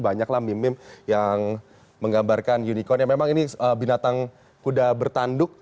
banyaklah meme meme yang menggambarkan unicorn yang memang ini binatang kuda bertanduk